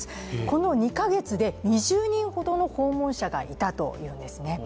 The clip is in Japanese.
この２カ月で２０人ほどの訪問者がいたというんですね。